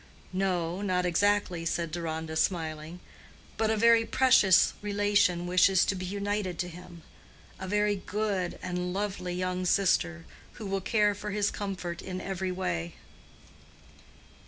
"No; not exactly," said Deronda, smiling. "But a very precious relation wishes to be reunited to him—a very good and lovely young sister, who will care for his comfort in every way."